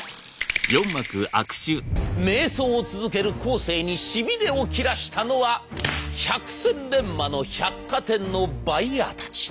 迷走を続けるコーセーにしびれを切らしたのは百戦錬磨の百貨店のバイヤーたち。